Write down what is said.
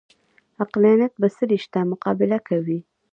عقلانیت بڅري شته مقابله کوي